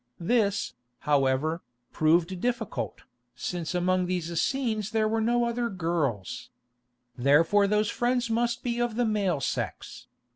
This, however, proved difficult, since among these Essenes were no other girls. Therefore those friends must be of the male sex.